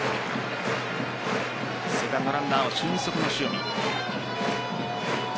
セカンドランナーは俊足の塩見。